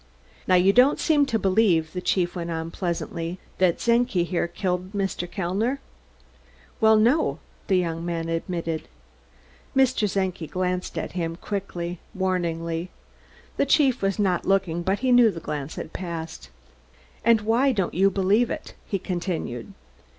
"Now you don't seem to believe," the chief went on pleasantly, "that Czenki here killed Mr. Kellner?" "Well, no," the young man admitted. Mr. Czenki glanced at him quickly, warningly. The chief was not looking, but he knew the glance had passed. "And why don't you believe it?" he continued.